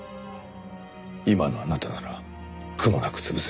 今のあなたなら苦もなく潰せます。